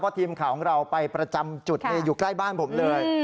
ทีมข่าวของเราไปประจำจุดอยู่ใกล้บ้านผมเลย